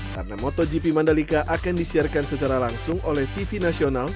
karena motogp mandalika akan disiarkan secara langsung oleh tv nasional